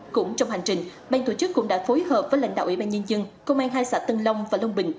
cũng trong hành trình bang tổ chức cũng đã phối hợp với lãnh đạo ủy ban nhân dân công an hai xã tân long và long bình